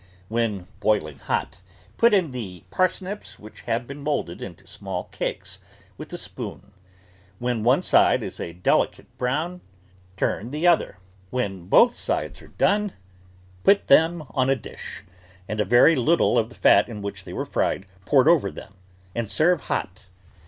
When boiling hot, put in the parsnips which have been moulded into small cakes with a spoon; when one side is a delicate brown, turn the other; when both sides are done, put them on a dish, and a very little of the fat in which they were fried poured over them, and serve hot.